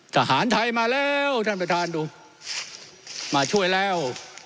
ทหารไทยมาแล้วท่านประธานดูมาช่วยแล้ว